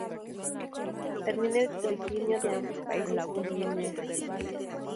Termina el trifinio de ambos países con Guinea.